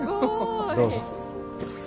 どうぞ。